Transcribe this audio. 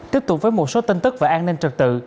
tiếp tục với một số tin tức về an ninh trật tự